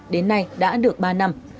đến nay đã được ba năm